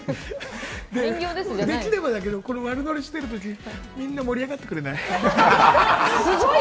できればだけど悪ノリしてる時みんな盛り上がってくれない？